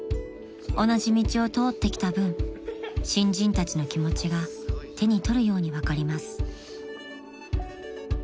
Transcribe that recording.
［同じ道を通ってきた分新人たちの気持ちが手に取るように分かります］